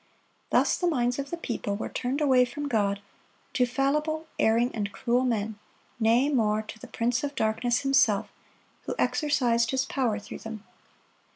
Thus the minds of the people were turned away from God to fallible, erring, and cruel men, nay, more, to the prince of darkness himself, who exercised his power through them.